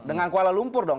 dengan kuala lumpur dong